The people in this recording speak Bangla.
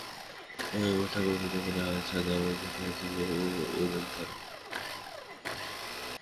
ও এরপরে ঠাকুরপুজো করে আর ছাদা বেঁধে বেড়াবে,-ওই ওদের ধারা।